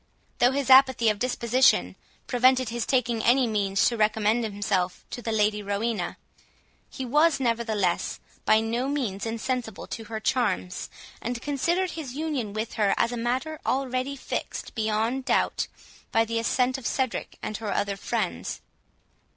Though his apathy of disposition prevented his taking any means to recommend himself to the Lady Rowena, he was, nevertheless, by no means insensible to her charms, and considered his union with her as a matter already fixed beyond doubt, by the assent of Cedric and her other friends.